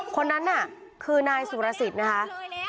คนนั้นน่ะคือนายสุรสิทธิ์นะคะ